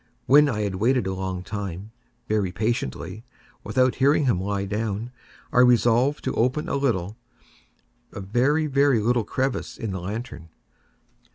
When I had waited a long time, very patiently, without hearing him lie down, I resolved to open a little—a very, very little crevice in the lantern.